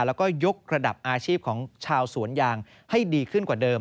แล้วก็ยกระดับอาชีพของชาวสวนยางให้ดีขึ้นกว่าเดิม